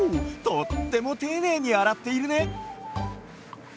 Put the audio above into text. とってもていねいにあらっているね！